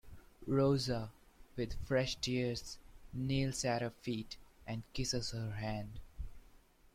Rosa, with fresh tears, kneels at her feet and kisses her hand.